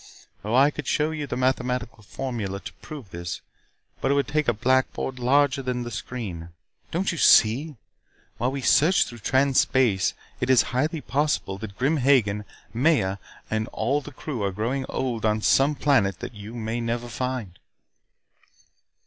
Oh, I could show you the mathematical formula to prove this, but it would take a blackboard larger than the screen. Don't you see! While we search through Trans Space, it is highly possible that Grim Hagen, Maya, and all their crew are growing old on some planet that you might never find."